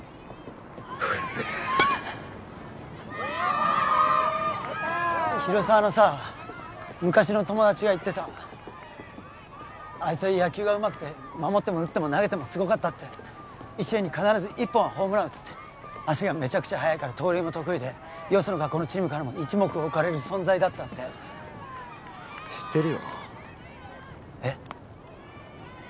うぜえ広沢のさ昔の友達が言ってたあいつは野球がうまくて守っても打っても投げてもすごかったって１試合に必ず１本はホームラン打つって足がメチャクチャ速いから盗塁も得意でよその学校のチームからも一目置かれる存在だったって知ってるよえッ？